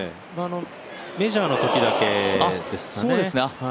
メジャーのときだけですね。